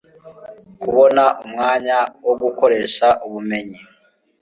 kubona umwanya wo gukoresha ubumenyi